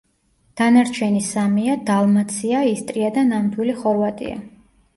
დანარჩენი სამია: დალმაცია, ისტრია და ნამდვილი ხორვატია.